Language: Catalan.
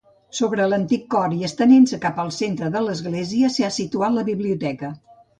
Sobre l'antic cor i estenent-se cap al centre de l'església s'hi ha situat la biblioteca.